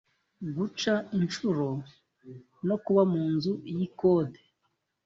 guca incuro no kuba mu nzu y’ikode